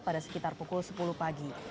pada sekitar pukul sepuluh pagi